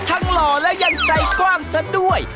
ครั้งหล่อและยังใจกว้างซะด้วย